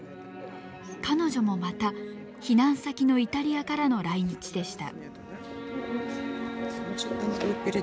彼女もまた避難先のイタリアからの来日でした。